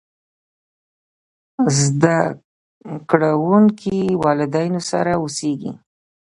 زده کړونکي والدينو سره اوسېږي.